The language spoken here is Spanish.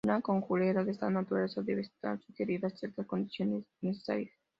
Una conjetura de esta naturaleza debe estar sujeta a ciertas condiciones necesarias.